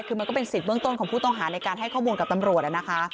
คือมันก็เป็นสิทธิเบื้องต้นของผู้ต้องหาในการให้ข้อมูลกับตำรวจนะคะ